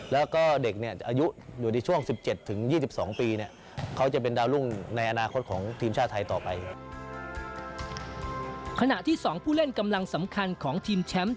แล้วก็เด็กอายุอยู่ในช่วง๑๗๒๒ปี